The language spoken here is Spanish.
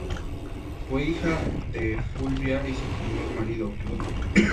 Fue hija de Fulvia y su primer marido Clodio.